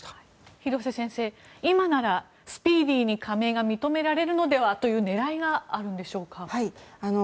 廣瀬先生、今ならスピーディーに加盟が認められるのではという狙いがあるんでしょうか。